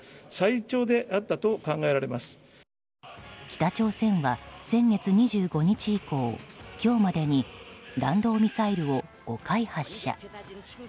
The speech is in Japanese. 北朝鮮は先月２５日以降今日までに弾道ミサイルを５回発射。